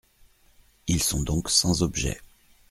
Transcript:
Ils sont donc sans objet.